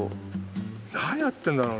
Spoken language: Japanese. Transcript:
何やってんだろう？